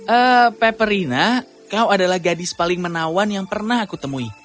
eh peperina kau adalah gadis paling menawan yang pernah aku temui